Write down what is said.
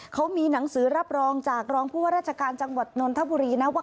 เขามีหนังสือรับรองจากรองผู้ว่าราชการจังหวัดนนทบุรีนะว่า